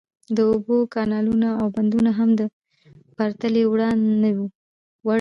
د اوبو کانالونه او بندونه هم د پرتلې وړ نه وو.